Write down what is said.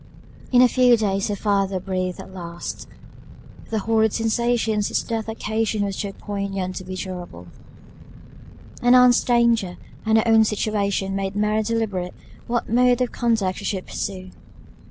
In a few days her father breathed his last. The horrid sensations his death occasioned were too poignant to be durable: and Ann's danger, and her own situation, made Mary deliberate what mode of conduct she should pursue.